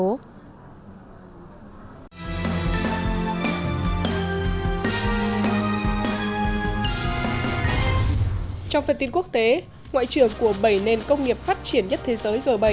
trong phần tin quốc tế ngoại trưởng của bảy nền công nghiệp phát triển nhất thế giới g bảy